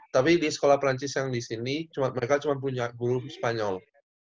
tapi di sekolah perancis yang di sini mereka cuma punya guru spanyol